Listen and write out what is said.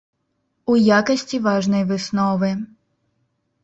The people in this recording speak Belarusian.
У якасці важнай высновы.